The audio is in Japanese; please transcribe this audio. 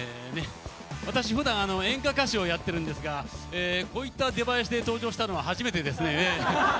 私ふだん演歌歌手をやってるんですがこういった出囃子で登場したのは初めてですね。